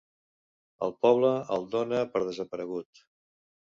El poble el dóna per desaparegut.